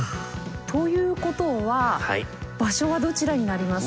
という事は場所はどちらになりますか？